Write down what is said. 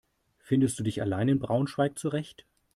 Findest du dich allein in Braunschweig zurecht?